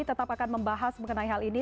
tetap akan membahas mengenai hal ini